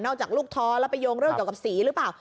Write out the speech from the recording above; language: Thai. อกจากลูกท้อแล้วไปโยงเรื่องเกี่ยวกับสีหรือเปล่า